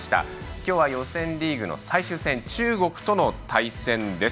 今日は予選リーグの最終戦中国との対戦です。